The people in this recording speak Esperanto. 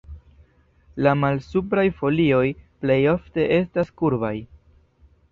La malsupraj folioj plej ofte estas kurbaj.